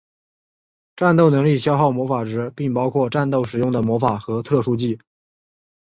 战斗能力消耗魔法值并包括战斗使用的魔法和特殊技。